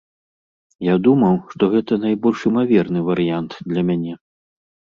Я думаў, што гэта найбольш імаверны варыянт для мяне.